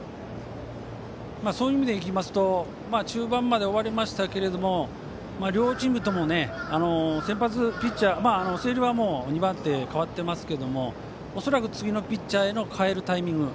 そういう意味でいうと中盤まで終わりましたが両チームとも先発ピッチャーが星稜は２番手に代わっていますが恐らく、次のピッチャーへの代えるタイミング。